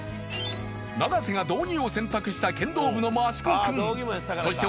永瀬が道着を洗濯した剣道部の益子君そして